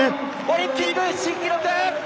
オリンピック新記録！